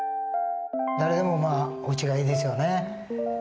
誰でもおうちがいいですよね。